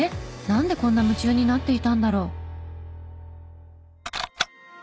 なんでこんな夢中になっていたんだろう？